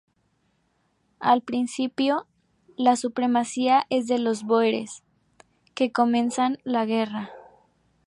Al principio, la supremacía es de los bóeres, que comienzan la guerra.